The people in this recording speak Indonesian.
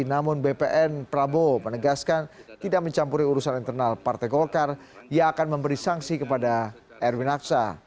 namun bpn prabowo menegaskan tidak mencampuri urusan internal partai golkar yang akan memberi sanksi kepada erwin aksa